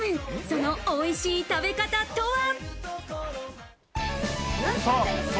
そのおいしい食べ方とは？